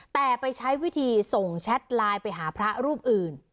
แต่ไปใช้วิธีส่งแชทไลน์ไปหาพระรูปอื่น